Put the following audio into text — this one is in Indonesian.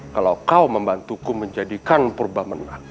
kalau kau membantuku menjadikan purba menang